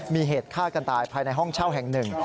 มีเหตุฆ่ากันตายภายในห้องเช่าแห่งหนึ่ง